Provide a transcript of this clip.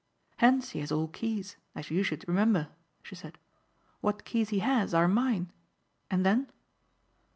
"Hentzi has all keys, as you should remember," she said. "What keys he has are mine. And then?"